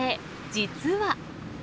実は。